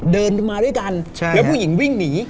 เดินมาด้วยกันแล้วผู้หญิงวิ่งหนี